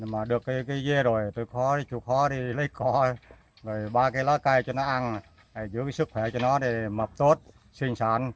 mà được cái dây rồi tôi khó đi chú khó đi lấy cỏ ba cái lá cây cho nó ăn giữ sức khỏe cho nó mập tốt xuyên sản